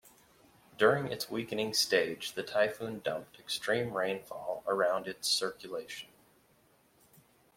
During its weakening stage, the typhoon dumped extreme rainfall around its circulation.